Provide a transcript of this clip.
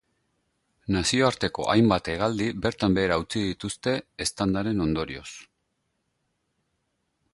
Nazioarteko hainbat hegaldi bertan behera utzi dituzte eztandaren ondorioz.